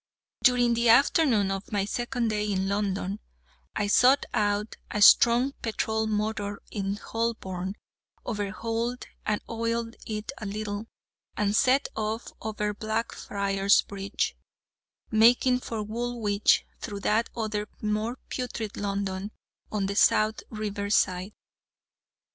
During the afternoon of my second day in London, I sought out a strong petrol motor in Holborn, overhauled and oiled it a little, and set off over Blackfriars Bridge, making for Woolwich through that other more putrid London on the south river side.